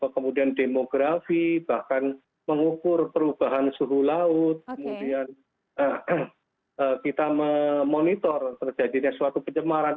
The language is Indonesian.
kemudian demografi bahkan mengukur perubahan suhu laut kemudian kita memonitor terjadinya suatu pencemaran